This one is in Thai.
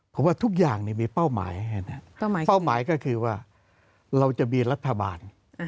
ผมว่าทุกอย่างมีเป้าหมายเป้าหมายก็คือว่าเราจะมีรัฐบาล